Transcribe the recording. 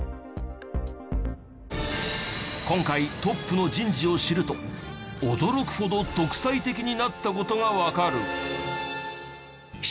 今回トップの人事を知ると驚くほど独裁的になった事がわかる。